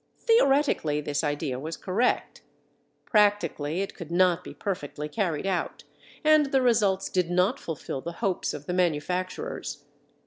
Theoretically, this idea was correct; practically, it could not be perfectly carried out, and the results did not fulfil the hopes of the manufacturers.